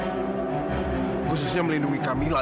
khususnya melindungi kamila